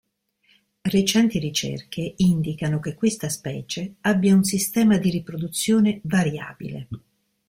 Recenti ricerche indicano che questa specie abbia un sistema di riproduzione variabile.